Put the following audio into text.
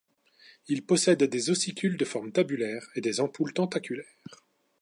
Ils possèdent des ossicules de forme tabulaire, et des ampoules tentaculaires.